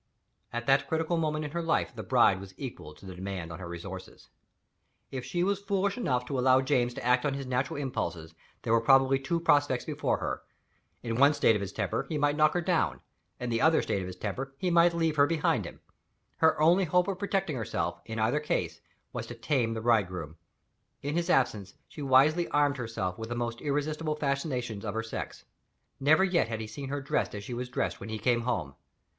At that critical moment in her life the bride was equal to the demand on her resources. If she was foolish enough to allow James to act on his natural impulses, there were probably two prospects before her. In one state of his temper, he might knock her down. In another state of his temper, he might leave her behind him. Her only hope of protecting herself, in either case, was to tame the bridegroom. In his absence, she wisely armed herself with the most irresistible fascinations of her sex. Never yet had he seen her dressed as she was dressed when he came home.